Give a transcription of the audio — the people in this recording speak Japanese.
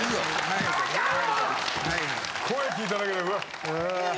声聞いただけでうわっ。